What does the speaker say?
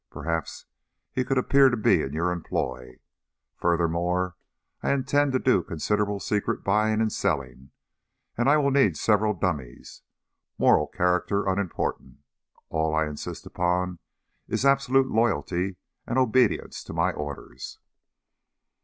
Perhaps he could appear to be in your employ? Furthermore, I intend to do considerable secret buying and selling, and I will need several dummies moral character unimportant. All I insist upon is absolute loyalty and obedience to my orders."